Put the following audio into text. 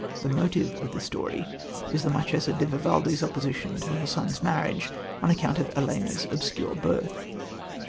The motive of the story is the Marchesa di Vivaldi's opposition to her son's marriage on account of Ellena's obscure birth.